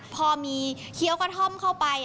พอมีเคี้ยวกระท่อมเข้าไป